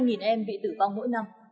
với khoảng hơn hai em bị tử vong mỗi năm